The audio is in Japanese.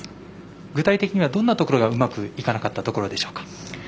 具体的には、どんなところがうまくいかなかったところでしょうか。